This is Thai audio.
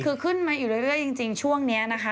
คือขึ้นมาอยู่เรื่อยจริงช่วงนี้นะคะ